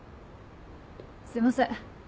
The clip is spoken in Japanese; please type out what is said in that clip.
すいません